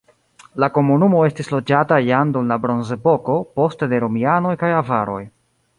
La komunumo estis loĝata jam dum la bronzepoko, poste de romianoj kaj avaroj.